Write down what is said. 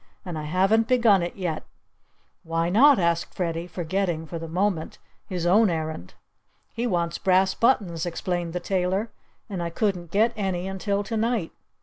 And I haven't begun it yet." "Why not?" asked Freddie, forgetting for the moment his own errand. "He wants brass buttons," explained the tailor. "And I couldn't get any until to night."